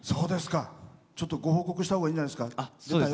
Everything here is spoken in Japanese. ちょっとご報告したほうがいいんじゃないですか。